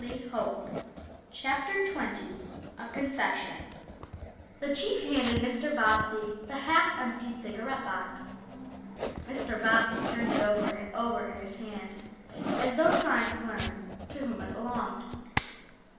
Who was smoking?" CHAPTER XX A CONFESSION THE chief handed Mr. Bobbsey the half emptied cigarette box. Mr. Bobbsey turned it over and over in his hand, as though trying to learn to whom it belonged.